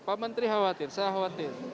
pak menteri khawatir saya khawatir